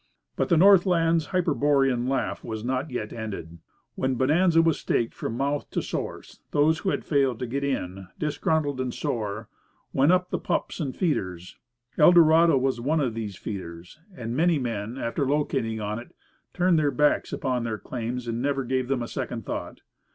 But the Northland's hyperborean laugh was not yet ended. When Bonanza was staked from mouth to source, those who had failed to "get in," disgruntled and sore, went up the "pups" and feeders. Eldorado was one of these feeders, and many men, after locating on it, turned their backs upon their claims and never gave them a second thought.